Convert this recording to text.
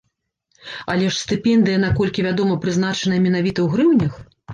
Але ж стыпендыя, наколькі вядома, прызначаная менавіта ў грыўнях?